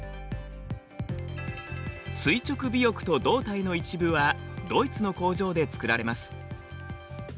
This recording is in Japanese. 垂直尾翼と胴体の一部はドイツの工場で作られます。